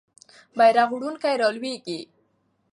بیرغ وړونکی رالویږي.